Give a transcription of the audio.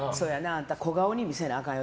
あんた小顔に見せなあかん